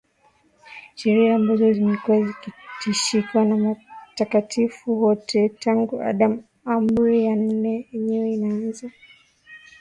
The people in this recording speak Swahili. Sheria ambazo zimekuwa zikishikwa na watakatifu wote tangu Adam Amri ya Nne yenyewe inaanza